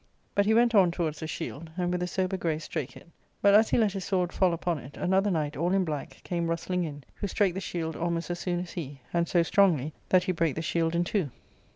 But he went on towards the shield, and with a • sober grace strake it ; but as he let his sword fall upon it, another knight, all in black, came rustling in, who strake the shield almost as soon as he, and so strongly, that he brake the shield in two.